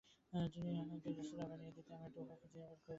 টিয়ানাকে একটা রেস্তোরাঁ বানিয়ে দিতে আমি একটা উপায় খুঁজে বের করবোই।